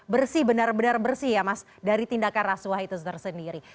bersih benar benar bersih ya mas dari tindakan rasuah itu tersendiri